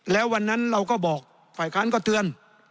แล้ววันนั้นเราก็บอกฝ่ายค้านก็เตือน